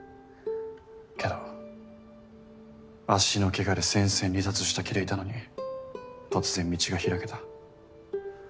けど足のけがで戦線離脱した気でいたのに突然道が開けた。